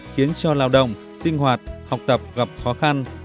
khiến cho lao động sinh hoạt học tập gặp khó khăn